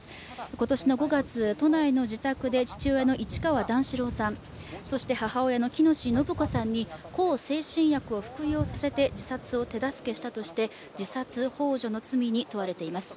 今年５月、都内の自宅で父親の市川段四郎さん、母親の喜熨斗延子さんに向精神薬を服用させて自殺を手助けしたとして自殺ほう助の罪に問われています。